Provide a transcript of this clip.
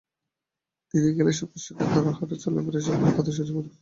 দিনে খেলে সমস্যা নেই, কারণ হাঁটা-চলাফেরায় থাকলে খাদ্য সহজে পরিপাক হয়।